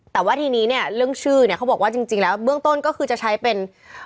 แต่ว่าทีนี้เนี่ยเรื่องชื่อเนี่ยเขาบอกว่าจริงแล้วเบื้องต้นก็คือจะใช้เป็น